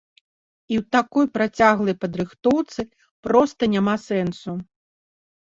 І ў такой працяглай падрыхтоўцы проста няма сэнсу.